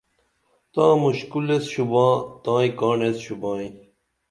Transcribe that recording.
تاں مُشکُل ایس شوباں تائیں کاڻ ایس شوبائی